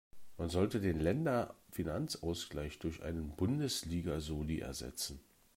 Man sollte den Länderfinanzausgleich durch einen Bundesliga-Soli ersetzen.